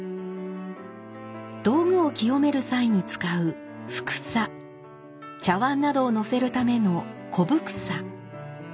道具を清める際に使う「帛紗」茶碗などをのせるための「古帛紗」。